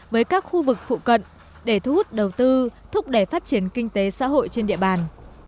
với các khu vực phụ cận để thu hút đầu tư thúc đẩy phát triển kinh tế xã hội trên địa bàn